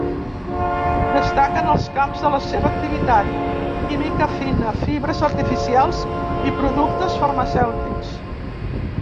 Destaquen els camps de la seva activitat; química fina, fibres artificials i productes farmacèutics.